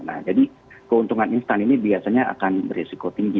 nah jadi keuntungan instan ini biasanya akan beresiko tinggi